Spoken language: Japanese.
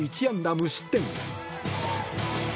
無失点。